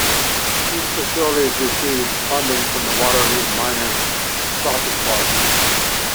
These facilities received funding from the Waterloo Minor Soccer Club.